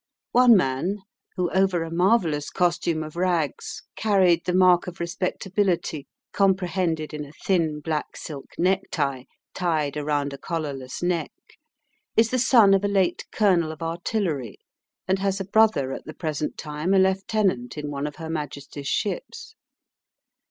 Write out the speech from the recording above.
One man, who over a marvellous costume of rags carried the mark of respectability comprehended in a thin black silk necktie tied around a collarless neck, is the son of a late colonel of artillery, and has a brother at the present time a lieutenant in one of her Majesty's ships.